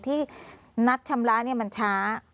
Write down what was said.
ที่นัดชำระเนี่ยมันช้า